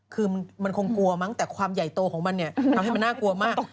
ครึ่งคงกลัวมั้งแต่ความใหญ่โตของมันน่ากลัวมาก